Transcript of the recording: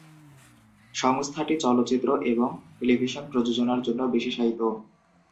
সংস্থাটি চলচ্চিত্র এবং টেলিভিশন প্রযোজনার জন্য বিশেষায়িত।